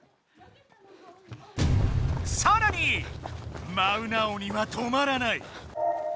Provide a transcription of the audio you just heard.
さらにマウナ鬼は止まらない。